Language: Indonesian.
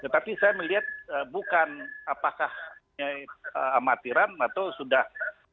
tapi saya melihat bukan apakah amatiran atau sudah